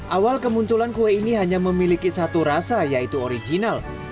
awal kemunculan kue ini hanya memiliki satu rasa yaitu original